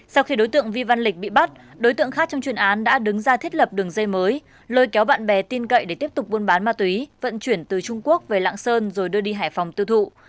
sau khi đối tượng vi văn lịch bị bắt đối tượng khác trong chuyên án đã đứng ra thiết lập đường dây mới lôi kéo bạn bè tin cậy để tiếp tục buôn bán ma túy vận chuyển từ trung quốc về lạng sơn rồi đưa đi hải phòng tiêu thụ